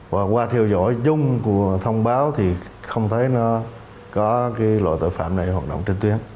và qua theo dõi dung của thông báo thì không thấy nó có cái loại tội phạm này hoạt động trên tuyến